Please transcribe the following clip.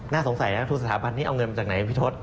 สงสัยนะทุกสถาบันนี้เอาเงินมาจากไหนพี่ทศ